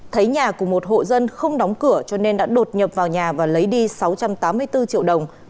thấy nhà của một hộ dân không đóng cửa cho nên đã đột nhập vào nhà và lấy đi sáu trăm tám mươi bốn triệu đồng